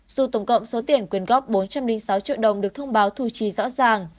dù tổng cộng số tiền quyên góp bốn trăm linh sáu triệu đồng được thông báo thu chi rõ ràng